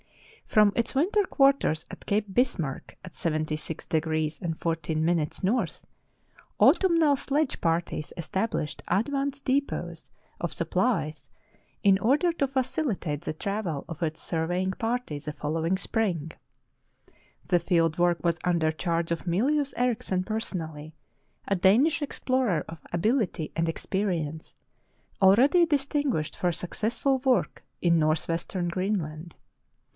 From its winter quarters at Cape Bismarck, 76° 14 N., autumnal sledge parties established advance depots of suppHes in order to facilitate the travel of its survey ing party the following spring. The field work was under charge of Mylius Erichsen personally, a Danish explorer of abiUty and experi ence, already distinguished for successful work in northwestern Greenland.